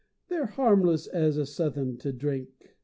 They're harmless as suthin' to drink."